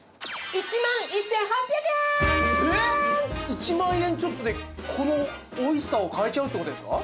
１万円ちょっとでこのおいしさを買えちゃうって事ですか？